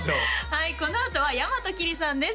はいこのあとは大和きりさんです